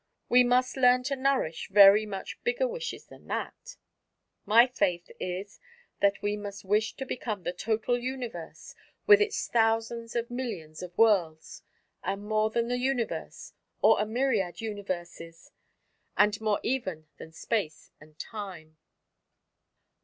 We must learn to nourish very much bigger wishes than that! My faith is that we must wish to become the total universe with its thousands of millions of worlds, and more than the universe, or a myriad universes, and more even than Space and Time.